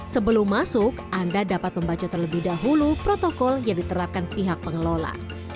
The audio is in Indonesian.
sebelum masuk anda dapat membaca terlebih dahulu protokol yang diterapkan pihak pengelola